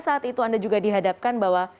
saat itu anda juga dihadapkan bahwa